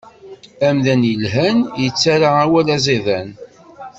Amdan ilhan, ittarra awal aẓidan.